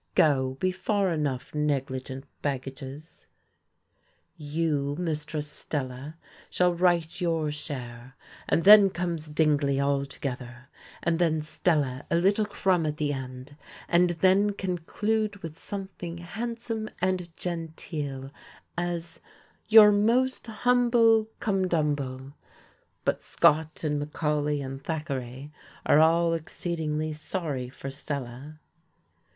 Go, be far enough, negligent baggages." "You, Mistress Stella, shall write your share, and then comes Dingley altogether, and then Stella a little crumb at the end; and then conclude with something handsome and genteel, as 'your most humble cumdumble.'" But Scott and Macaulay and Thackeray are all exceedingly sorry for Stella.